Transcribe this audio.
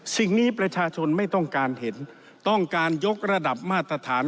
สิ่งนี้ประชาชนไม่ต้องการเห็นต้องการยกระดับมาตรฐาน